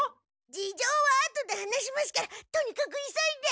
事情はあとで話しますからとにかく急いで。